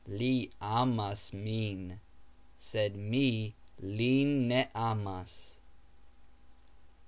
Li amas min, sed mi lin ne amas.